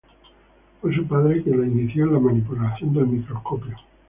Fue su padre quien la inició en la manipulación del microscopio.